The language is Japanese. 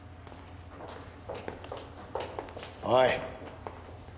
おい。